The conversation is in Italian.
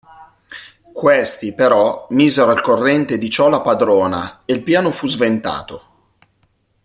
Questi, però, misero al corrente di ciò la padrona e il piano fu sventato.